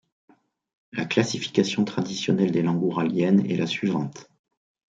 La classification traditionnelle des langues ouraliennes est la suivante.